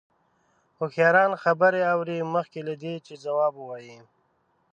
هوښیاران خبرې اوري مخکې له دې چې ځواب ووايي.